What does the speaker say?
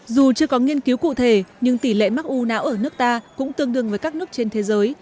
dù chưa có nghiên cứu cụ thể nhưng tỷ lệ mắc u não ở nước ta cũng tương đương với các nước trên thế giới